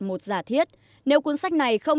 một giả thiết nếu cuốn sách này không